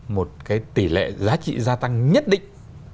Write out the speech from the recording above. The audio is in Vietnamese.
một cái tỷ lệ giá trị gia tăng nhất định